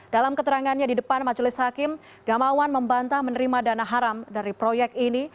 dalam keterangannya di depan majelis hakim gamawan membantah menerima dana haram dari proyek ini